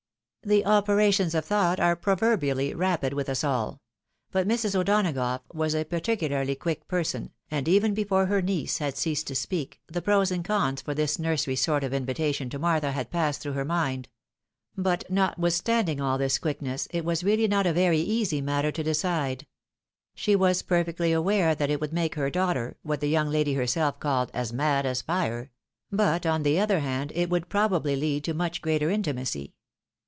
The operations of thouglit are proverbially rapid with us all ; but Mrs. O'Donagough was a particularly quick person, and even before her niece had ceased to speak, the pros and cons for this nursery sort of invitation to Martha had passed through her mind. But, notwithstanding all this quickness, it was really not a very easy matter to decide. She was perfectly aware that it would make her daughter, what the young lady herself called " as mad as iire ;" but, on the other hand, it would probably lead to much greater intimacy.